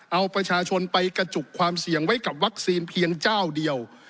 เอาประชาชนไปกระจุกความเสี่ยงไว้กับวัคซีนเพียงเจ้าเดียว